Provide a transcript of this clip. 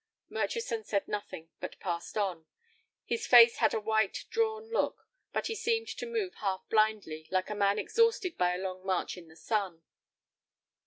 Murchison said nothing, but passed on. His face had a white, drawn look, and he seemed to move half blindly, like a man exhausted by a long march in the sun.